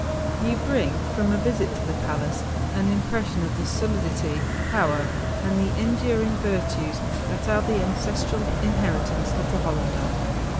You bring from a visit to the palace an impression of the solidity, power, and the enduring virtues that are the ancestral inheritance of the Hollander.